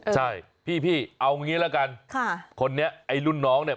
ใช่พี่เอางี้ละกันคนนี้ไอ้รุ่นน้องเนี่ย